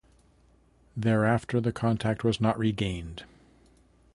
Thereafter the contact was not regained.